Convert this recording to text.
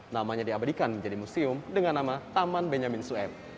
namanya diabadikan menjadi museum dengan nama taman benyamin sueb